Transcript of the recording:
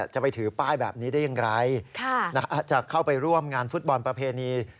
จะไปถือป้ายแบบนี้ได้อย่างไร